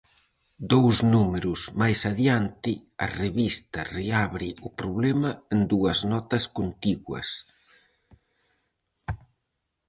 Dous números máis adiante, a revista reabre o problema en dúas notas contiguas.